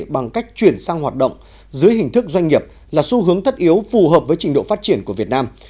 bằng cách chuyển sang hoạt động dưới hình thức doanh nghiệp là xu hướng thất yếu phù hợp với trình độ phát triển của việt nam